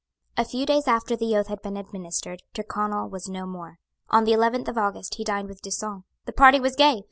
A few days after the oath had been administered, Tyrconnel was no more. On the eleventh of August he dined with D'Usson. The party was gay.